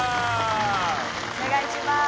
お願いします。